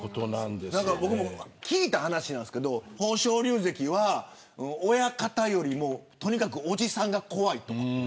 聞いた話なんですけど豊昇龍関は親方よりもとにかくおじさんが怖い。